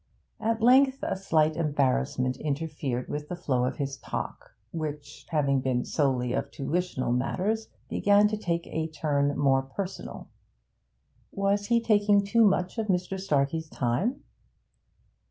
At length a slight embarrassment interfered with the flow of his talk, which, having been solely of tuitional matters, began to take a turn more personal. Was he taking too much of Mr. Starkey's time?